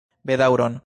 Bedaŭron.